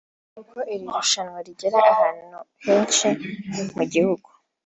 kuko iri rushanwa rigera ahantu henshi mu gihugu